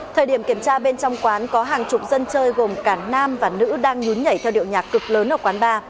thời điểm kiểm tra bên trong quán có hàng chục dân chơi gồm cả nam và nữ đang nhún nhảy theo điệu nhạc cực lớn ở quán ba